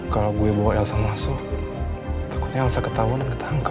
kalau gue bawa elsa masuk takutnya elsa ketahuan dan ketangkap